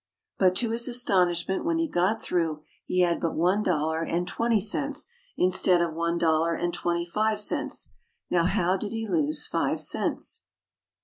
But to his astonishment, when he got through he had but one dollar and twenty cents instead of one dollar and twenty five cents. Now how did he lose five cents?